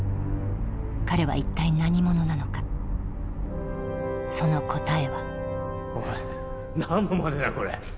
彼は一体何者なのかその答えはおい何のまねだよ